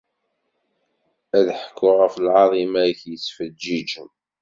Ad ḥekkuɣ ɣef lɛaḍima-k yettfeǧǧiǧen.